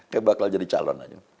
kayak bakal jadi calon aja